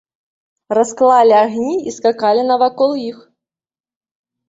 Расклалі агні і скакалі навакол іх.